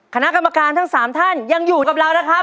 คณะกรรมการทั้ง๓ท่านยังอยู่กับเรานะครับ